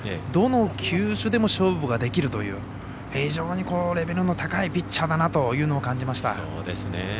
どの球種でも勝負ができるという非常にレベルの高いピッチャーだなと感じました。